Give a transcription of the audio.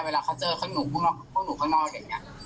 เวลาเขาเจอหนูพวกหนูข้างนอกอย่างนี้